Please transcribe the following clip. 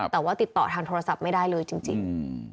แต่ว่าติดต่อทางโทรศัพท์ไม่ได้เลยจริง